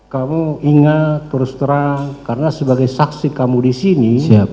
kamu ingat terus terang karena sebagai saksi kamu disini